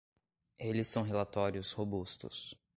Eles são relatórios robustos.